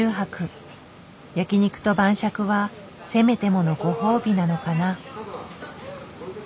焼き肉と晩酌はせめてものご褒美なのかな。